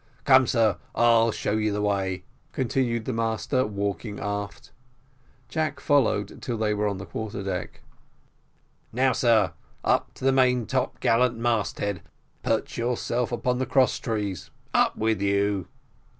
Come, sir, I'll show you the way," continued the master, walking aft. Jack followed till they were on the quarter deck. "Now, sir, up to the main top gallant mast head; perch yourself upon the cross trees up with you."